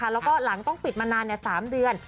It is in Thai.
แล้วก็หลังต้องปิดมานาน๓เดือน